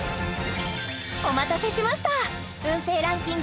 お待たせしました運勢ランキング